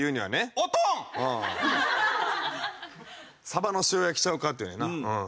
サバの塩焼きちゃうかって言うねんな。